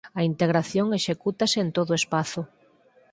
A integración execútase en todo o espazo.